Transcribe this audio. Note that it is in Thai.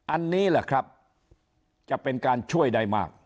อันนี้แหละครับจะเป็นการช่วยได้มาก